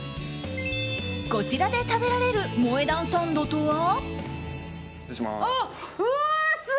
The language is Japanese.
こちらで食べられる萌え断サンドとは？